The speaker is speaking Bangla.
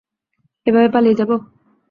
এভাবে পালিয়ে যাব?